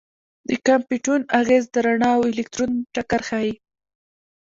د کامپټون اغېز د رڼا او الکترون ټکر ښيي.